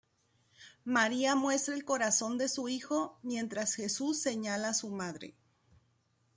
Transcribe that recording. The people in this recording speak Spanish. María muestra el corazón de su hijo mientras Jesús señala a su madre.